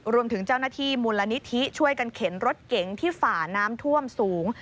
รวมถึงเจ้าหน้าที่มูลนิธิช่วยกันเข็นรถเก๋งที่ฝ่าน้ำท่วมสูง